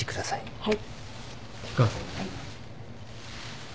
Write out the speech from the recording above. はい。